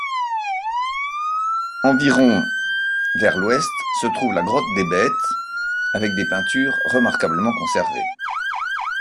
Environ vers l'ouest se trouve la grotte des Bêtes avec des peintures remarquablement conservées.